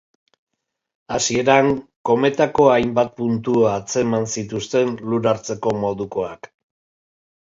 Hasieran kometako hainbat puntu atzeman zituzten lur hartzeko modukoak.